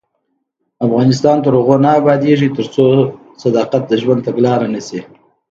افغانستان تر هغو نه ابادیږي، ترڅو صداقت د ژوند تګلاره نشي.